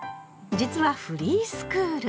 実はフリースクール。